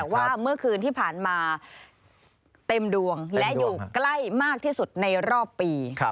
ว่าเมื่อคืนที่ผ่านมาเต็มดวงและอยู่ใกล้มากที่สุดในรอบปี